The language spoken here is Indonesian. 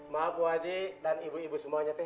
maaf bu haji dan ibu ibu semuanya teh